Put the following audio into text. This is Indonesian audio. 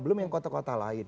belum yang kota kota lain